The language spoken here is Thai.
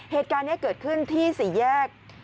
เหตุการณ์นี้เกิดขึ้นที่สี่แยก